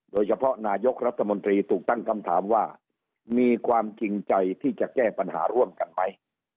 โดยเฉพาะนายกรัฐมนตรีถูกตั้งคำถามว่ามีความจริงใจที่จะแก้ปัญหาร่วมกันไหม